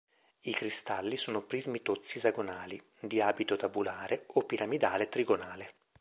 I cristalli sono prismi tozzi esagonali, di abito tabulare o piramidale-trigonale.